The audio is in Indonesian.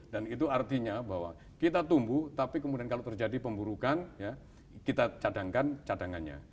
dan itu artinya bahwa kita tumbuh tapi kemudian kalau terjadi pemburukan kita cadangkan cadangannya